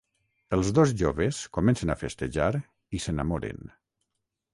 Els dos joves comencen a festejar i s’enamoren.